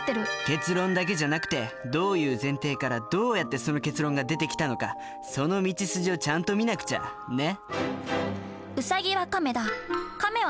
結論だけじゃなくてどういう前提からどうやってその結論が出てきたのかその道筋をちゃんと見なくちゃ。ね？